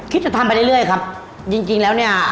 จะทำไปเรื่อยครับจริงจริงแล้วเนี่ย